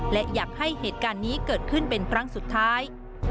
และอยากให้เหตุการณ์นี้เกิดขึ้นเป็นครั้งสุดท้าย